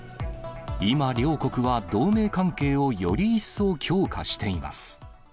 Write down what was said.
今、両国は同盟関係をより一層強化しています。